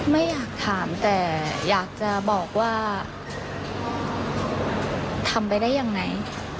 ไม่อยากถามแต่อยากจะบอกว่าทำไปได้ยังไง